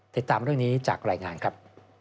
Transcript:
ติดตามเรื่องนี้จากรายงานครับ